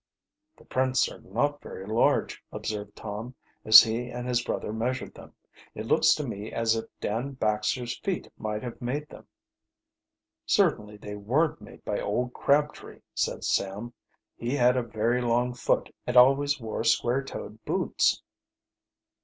"The prints are not very large," observed Tom, as he and his brother measured them. "It looks to me as if Dan Baxter's feet might have made them." "Certainly they weren't made by old Crabtree," said Sam. "He had a very long foot and always wore square toed boots."